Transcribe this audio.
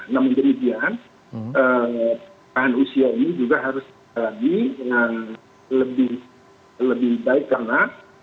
namun kemudian paham usia ini juga harus lagi dengan lebih baik karena